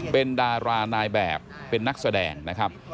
เป็นดารานายแบบเป็นนักแสดงนะครับ